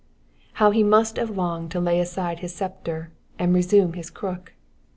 How he must have longed to lay aside his sceptre, and to resume his crook.